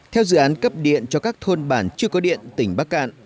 theo dự án cấp điện cho các thôn bản chưa có điện tỉnh bắc cạn